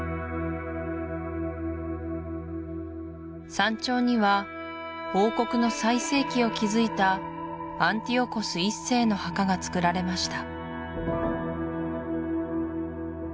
山頂には王国の最盛期を築いたアンティオコス１世の墓がつくられました